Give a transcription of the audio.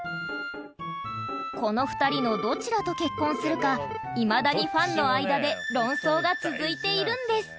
この２人のどちらと結婚するかいまだにファンの間で論争が続いているんです